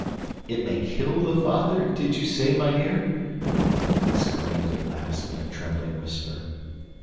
"It may KILL the father did you say, mynheer?" he exclaimed at last in a trembling whisper.